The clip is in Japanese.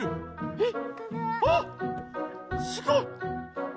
えっ！